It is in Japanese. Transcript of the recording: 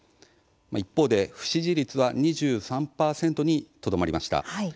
一方で不支持率は２３％にとどまりました。